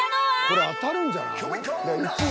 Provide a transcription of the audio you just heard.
これ当たるんじゃない？